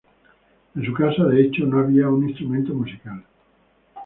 En su casa, de hecho, no había un instrumento musical.